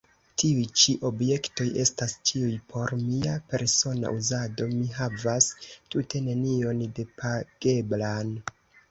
Tiuj ĉi objektoj estas ĉiuj por mia persona uzado; mi havas tute nenion depageblan.